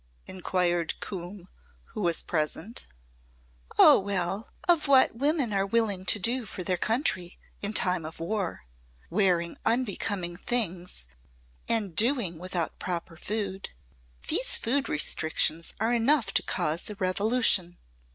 inquired Coombe who was present "Oh, well of what women are willing to do for their country in time of war. Wearing unbecoming things and doing without proper food. These food restrictions are enough to cause a revolution."